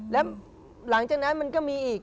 แล้วหลังจากนั้นมันก็มีอีก